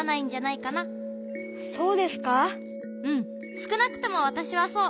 すくなくともわたしはそう。